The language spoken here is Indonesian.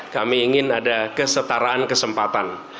kami ingin ada kesetaraan kesempatan